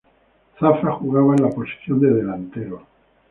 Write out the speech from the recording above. Zafra jugaba en la posición de delantero.